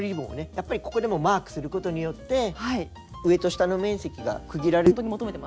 やっぱりここでもマークすることによって上と下の面積が区切られることによって。